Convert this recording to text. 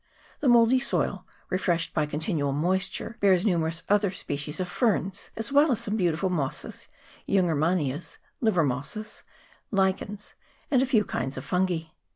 The mouldy soil, refreshed by continual moisture, bears numerous other species of ferns, as well as some beautiful mosses, jungermannias, livermosses, lichens, and a few kinds of fungi.